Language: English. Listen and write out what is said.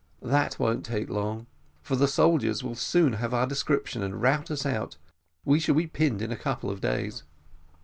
"That won't take long, for the soldiers will soon have our description and rout us out we shall be pinned in a couple of days."